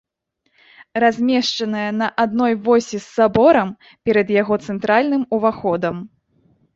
Размешчаная на адной восі з саборам, перад яго цэнтральным уваходам.